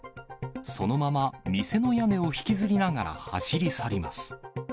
そのまま、店の屋根を引きずりながら走り去ります。